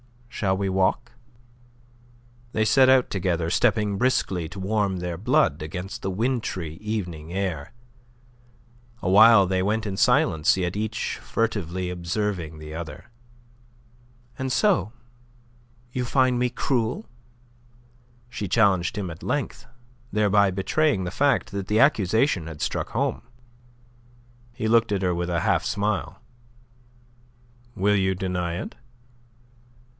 Shall we walk?" They set out together, stepping briskly to warm their blood against the wintry evening air. Awhile they went in silence, yet each furtively observing the other. "And so, you find me cruel?" she challenged him at length, thereby betraying the fact that the accusation had struck home. He looked at her with a half smile. "Will you deny it?"